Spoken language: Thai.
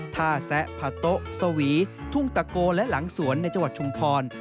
แซะผะโต๊ะสวีทุ่งตะโกและหลังสวนในจังหวัดชุมพร